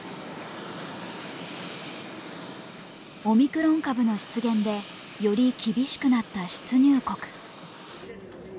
オミクロン株の出現でより厳しくなった出入国。